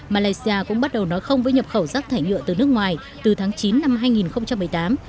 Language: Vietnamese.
malaysia cũng bắt đầu nói không với nhập khẩu rác thải nhựa từ nước ngoài từ tháng chín năm hai nghìn một mươi tám